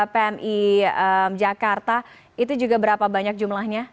pmi jakarta itu juga berapa banyak jumlahnya